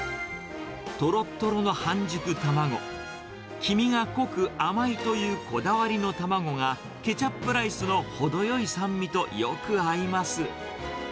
とろっとろの半熟卵、黄身が濃く、甘いというこだわりの卵が、ケチャップライスの程よい酸味とよく合います。